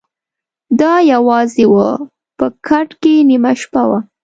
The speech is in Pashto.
د ا یوازي وه په کټ کي نیمه شپه وه